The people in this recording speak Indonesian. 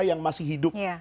yang masih hidup